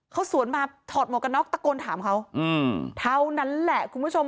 เขาสวนมาถอดหมวกกันน็อกตะโกนถามเขาเท่านั้นแหละคุณผู้ชม